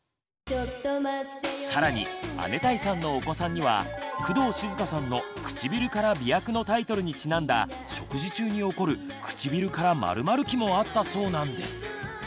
さらに姉帯さんのお子さんには工藤静香さんの「くちびるから媚薬」のタイトルにちなんだ食事中に起こる「くちびるから○○期」もあったそうなんです。